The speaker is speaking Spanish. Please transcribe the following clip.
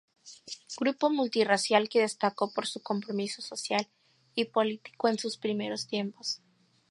Grupo multirracial que destacó por su compromiso social y político en sus primeros tiempos.